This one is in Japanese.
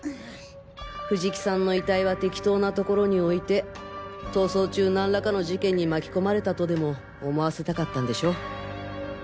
藤木さんの遺体は適当なところに置いて逃走中なんらかの事件に巻き込まれたとでも思わせたかったんでしょ？